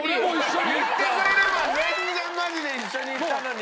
言ってくれれば全然マジで一緒に行ったのに。